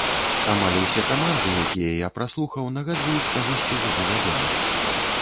Амаль ўсе каманды, якія я праслухаў, нагадваюць кагосьці з ужо вядомых.